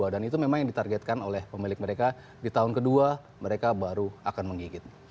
dan itu memang yang ditargetkan oleh pemilik mereka di tahun ke dua mereka baru akan menggigit